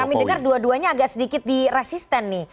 ya kami dengar dua duanya agak sedikit diresisten nih